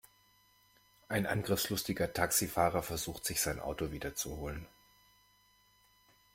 Ein angriffslustiger Taxifahrer versucht, sich sein Auto wiederzuholen.